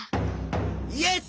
イエス！